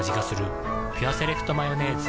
「ピュアセレクトマヨネーズ」